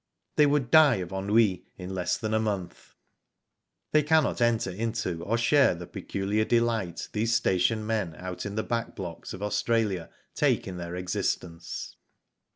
They would die of ennui in less than a month. They cannot enter into or share the peculiar de light these station men out in the back blocks of Australia take in their existence.